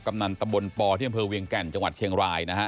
กำนันตะบลปเที่ยงบริเวียงแก่นจังหวัดเชียงรายนะฮะ